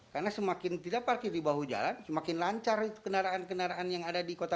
karena semakin tidak parkir di bawah jalan semakin lancar itu kendaraan kendaraan yang ada di kota